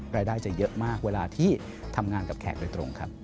รายได้จะเยอะมากเวลาที่ทำงานกับแขกโดยตรงครับ